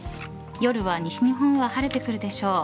夜は西日本は晴れてくるでしょう。